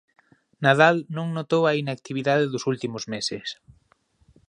Nadal non notou a inactividade dos últimos meses.